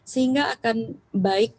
sehingga akan baik